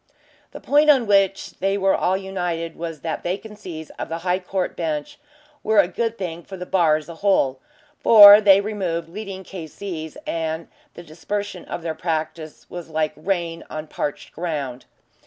The point on which they were all united was that vacancies of the High Court Bench were a good thing for the bar as a whole, for they removed leading K.C.'s, and the dispersion of their practice was like rain on parched ground.